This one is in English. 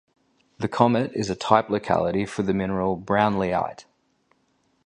The comet is a type locality for the mineral brownleeite.